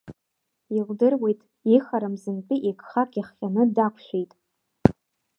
Илдыруеит, ихарам зынтәи игхак иахҟьаны дақәшәеит.